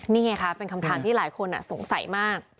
นี่ไงคะเป็นคำถามที่หลายคนสงสัยมาก